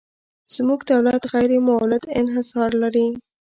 زموږ دولت غیر مولد انحصار لري.